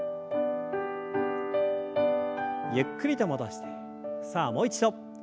ゆっくりと戻してさあもう一度。